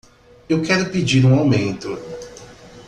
Eu quero pedir um aumento.